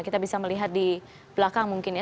kita bisa melihat di belakang mungkin ya